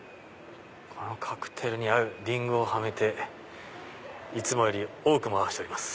カクテルに合うリングをはめていつもより多く回しております。